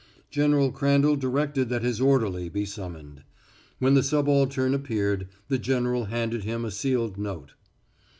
General Crandall directed that his orderly be summoned. When the subaltern appeared, the general handed him a sealed note.